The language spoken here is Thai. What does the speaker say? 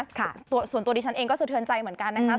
ส่วนตัวดิฉันเองก็สะเทือนใจเหมือนกันนะครับ